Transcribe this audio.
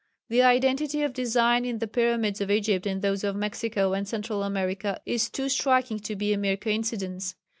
The identity of design in the pyramids of Egypt and those of Mexico and Central America is too striking to be a mere coincidence.